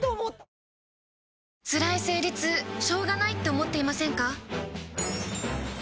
つらい生理痛しょうがないって思っていませんか？